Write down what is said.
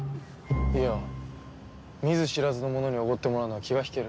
いや見ず知らずの者におごってもらうのは気が引ける。